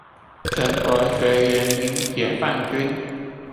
全國學人民解放軍